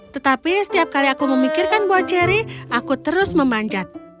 tetapi setiap kali aku memikirkan buah ceri aku terus memanjat